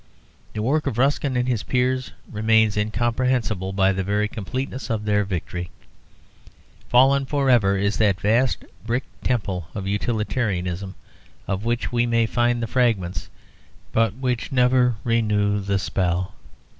The work of Ruskin and his peers remains incomprehensible by the very completeness of their victory. Fallen forever is that vast brick temple of Utilitarianism, of which we may find the fragments but never renew the spell.